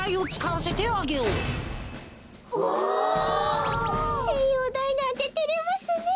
せんようだいなんててれますねえ。